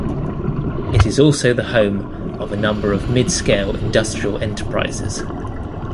It is also the home of a number of mid-scale industrial enterprises.